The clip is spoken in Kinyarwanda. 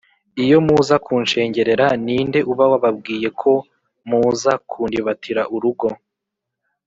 iyo muza kunshengerera, ni nde uba wababwiye ko muza kundibatira urugo?”